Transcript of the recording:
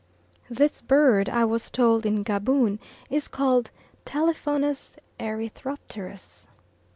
This bird, I was told in Gaboon, is called Telephonus erythropterus.